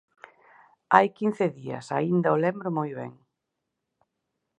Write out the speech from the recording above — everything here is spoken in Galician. Hai quince días, aínda o lembro moi ben.